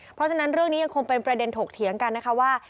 เพราะฉะนั้นเรื่องนี้ยังคงเป็นประเด็นถกเถียงกันนะคะว่า